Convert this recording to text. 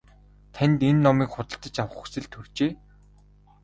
Танд энэ номыг худалдаж авах хүсэл төржээ.